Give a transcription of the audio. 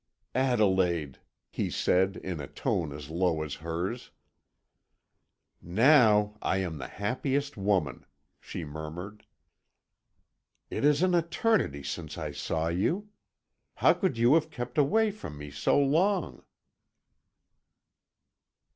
"Adelaide!" he said, in a tone as low as hers. "Now I am the happiest woman!" she murmured. "It is an eternity since I saw you. How could you have kept away from me so long?"